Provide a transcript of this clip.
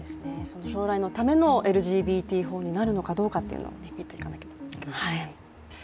将来のためのＬＧＢＴ法になるかどうかも見ていかなければなりません。